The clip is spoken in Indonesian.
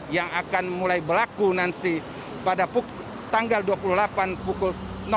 yang akan mulai berlaku nanti pada tanggal dua puluh delapan pukul